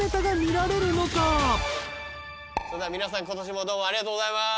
それでは皆さん今年もどうもありがとうございます。